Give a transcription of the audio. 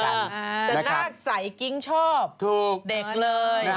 แต่น่ากสายกิ๊งชอบเด็กเลย